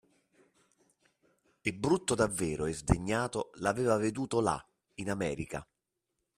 E brutto davvero e sdegnato l'aveva veduto là, in America